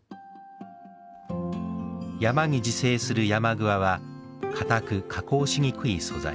山に自生するヤマグワは堅く加工しにくい素材。